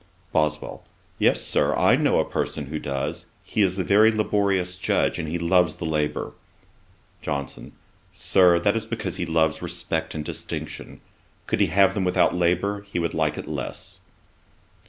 BOSWELL. 'Yes, Sir, I know a person who does. He is a very laborious Judge, and he loves the labour.' JOHNSON. 'Sir, that is because he loves respect and distinction. Could he have them without labour, he would like it less.'